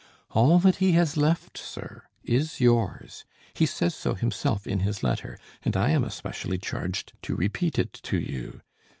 All that he has left, sir, is yours; he says so himself in his letter, and I am especially charged to repeat it to you.